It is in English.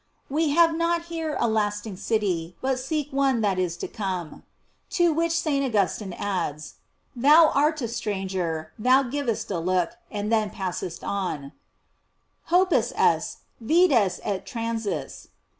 "We have not here a lasting city, but seek one that is to come."f To which St. Augustine adds: Thou art a stranger, thou givest a look, and then passest on: "Hospes es, vides et tran sis."